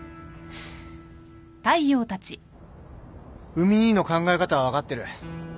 海兄の考え方は分かってる。